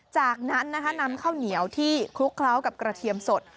จากนั้นนะคะนำข้าวเหนียวที่คลุกเคล้ากับกระเทียมสด